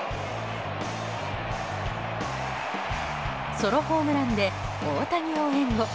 ソロホームランで大谷を援護。